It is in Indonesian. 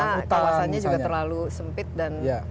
karena kawasannya juga terlalu sempit dan